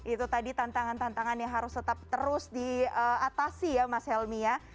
itu tadi tantangan tantangan yang harus tetap terus diatasi ya mas helmi ya